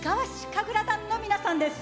神楽団の皆さんです！